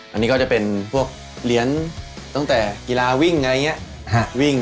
อันนี้ก็จะเป็นบริเวณเหรียญกรียราวิ่ง